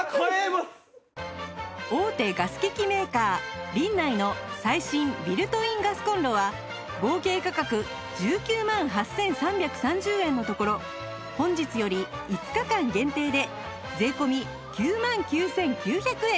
大手ガス機器メーカーリンナイの最新ビルトインガスコンロは合計価格１９万８３３０円のところ本日より５日間限定で税込９万９９００円